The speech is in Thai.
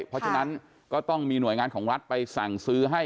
เพราะฉะนั้นก็ต้องมีหน่วยงานของรัฐไปสั่งซื้อให้